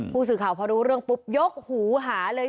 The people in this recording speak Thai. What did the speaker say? ผู้สื่อข่าวพอรู้เรื่องปุ๊บยกหูหาเลย